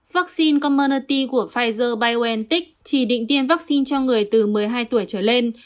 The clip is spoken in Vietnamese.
vaccine commernalty của pfizer biontech chỉ định tiêm vaccine cho người từ một mươi hai tuổi trở lên